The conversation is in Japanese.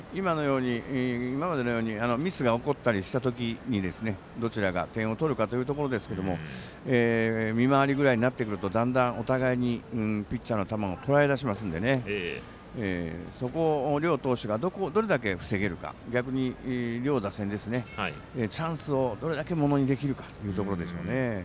今までのようにミスが起こったりしたときにどちらが点を取るかというところですが３回り目ぐらいになってくるとだんだん、お互いにピッチャーの球もとらえだしますのでそこを両投手がどれだけ防げるか逆に両打線チャンスをどれだけものにできるかですね。